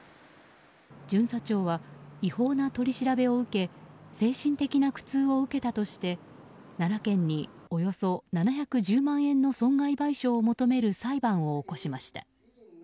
巡査長は、違法な取り調べを受け精神的な苦痛を受けたとして奈良県に、およそ７１０万円の損害賞を求める裁判を起こしました。